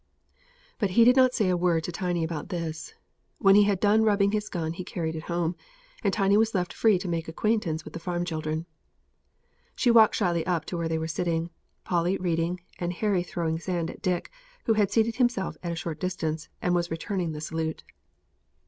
But he did not say a word to Tiny about this. When he had done rubbing his gun he carried it home, and Tiny was left free to make acquaintance with the farm children. She walked shyly up to where they were sitting Polly reading, and Harry throwing sand at Dick, who had seated himself at a short distance, and was returning the salute.